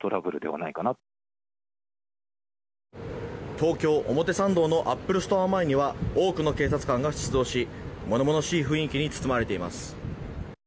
東京・表参道のアップルストア前には多くの警察官が出動し物々しい雰囲気に包まれています。